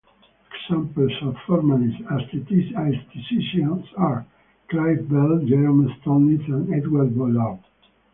Examples of formalist aestheticians are Clive Bell, Jerome Stolnitz, and Edward Bullough.